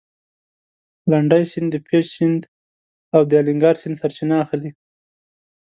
لنډی سیند د پېج سیند او د الینګار سیند سرچینه اخلي.